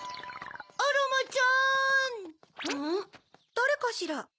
だれかしら？